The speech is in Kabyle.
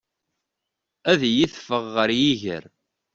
Ad iyi-teffeɣ ɣer yiger.